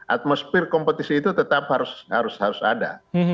atmosfer kompetisi itu tetap harus ada